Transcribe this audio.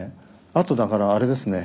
あとだからあれですね